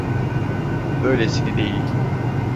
Böylesini değil.